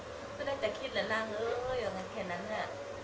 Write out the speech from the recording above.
ก็ได้แต่คิดแล้วนั่งเอ้ยอย่างนั้นแค่นั้นน่ะ